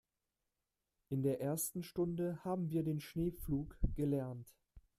In der ersten Stunde haben wir den Schneepflug gelernt.